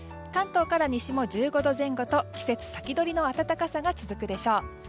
関東から西も１５度前後と季節先取りの暖かさが続くでしょう。